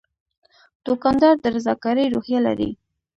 دوکاندار د رضاکارۍ روحیه لري.